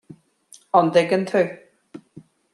an dtuigeann tú